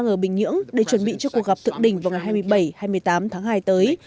ở bình nhưỡng để chuẩn bị cho cuộc gặp thượng đỉnh vào ngày hai mươi bảy hai mươi tám tháng hai tới